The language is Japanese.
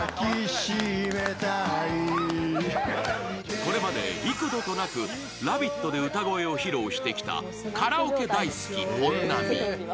これまで幾度となく「ラヴィット！」で歌声を披露してきたカラオケ大好き、本並。